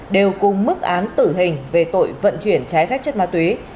đều cùng mức án tử hình về tội vận chuyển trái phép chất ma túy